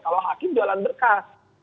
kalau hakim jualan berkas